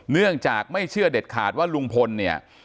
เนื่องจากไม่เชื่อเด็ดขาดว่าลุงพลเนี่ย